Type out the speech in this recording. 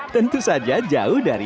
tentu saja jauh dari